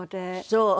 そう。